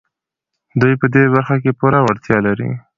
دوی په دې برخه کې پوره وړتيا لري.